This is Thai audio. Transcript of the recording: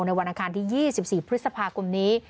วันอังคารที่๒๔พฤษภาคมนี้